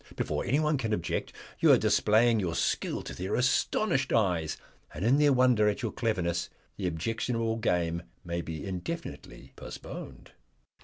Before anyone can object you are displaying your skill to their astonished eyes, and in their wonder at your cleverness the objectionable game may be indefinitely postponed."